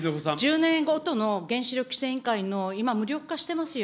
１０年ごとの原子力規制委員会の今、無力化してますよ。